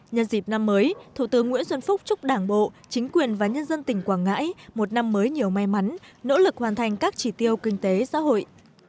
nhân dịp năm mới thủ tướng nguyễn xuân phúc chúc đảng bộ chính quyền và nhân dân tỉnh quảng ngãi một năm mới nhiều may mắn nỗ lực hoàn thành các chỉ tiêu kinh tế xã hội